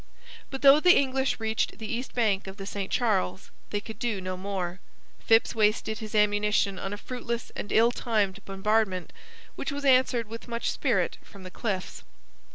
But though the English reached the east bank of the St Charles they could do no more. Phips wasted his ammunition on a fruitless and ill timed bombardment, which was answered with much spirit from the cliffs.